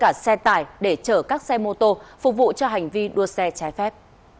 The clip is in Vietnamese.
các đối tượng này còn thuê cả xe tải để chở các xe mô tô phục vụ cho hành vi đua xe trái phép